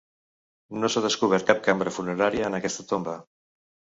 No s'ha descobert cap cambra funerària en aquesta tomba.